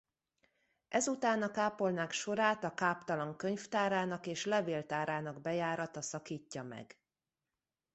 Ezután a kápolnák sorát a káptalan könyvtárának és levéltárának bejárata szakítja meg.